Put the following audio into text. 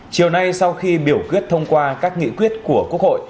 chiều nay sau khi biểu quyết thông qua các nghị quyết của quốc hội